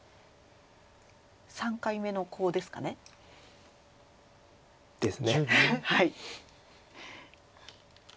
３回目のコウですかね。ですね。